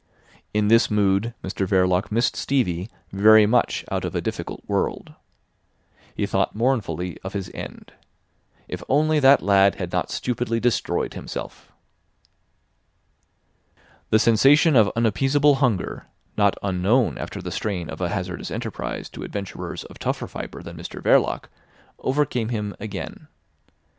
In this mood Mr Verloc missed Stevie very much out of a difficult world. He thought mournfully of his end. If only that lad had not stupidly destroyed himself! The sensation of unappeasable hunger, not unknown after the strain of a hazardous enterprise to adventurers of tougher fibre than Mr Verloc, overcame him again.